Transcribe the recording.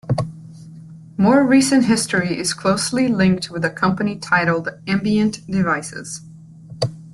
More recent history is closely linked with a company titled Ambient Devices.